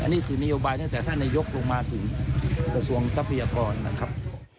นี่คือนโยบายตั้งแต่ท่านนายกลงมาถึงกระทรวงทรัพยากรนะครับ